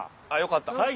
あっよかった。